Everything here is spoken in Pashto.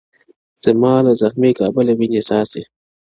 زما له زخمي کابله ویني څاڅي-